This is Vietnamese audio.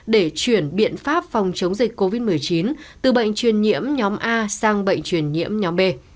để chuyển biện pháp phòng chống dịch covid một mươi chín từ bệnh truyền nhiễm nhóm a sang bệnh truyền nhiễm nhóm b